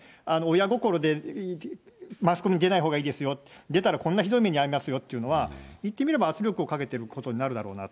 親心でマスコミ出ないほうがいいですよ、出たらこんなひどい目に遭いますよというのは、言ってみれば圧力をかけてることになるだろうな。